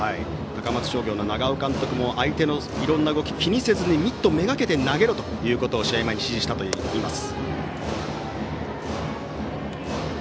高松商業の長尾監督も相手のいろんな動きを気にせずにミットめがけて投げろということを試合前に指示したといいます。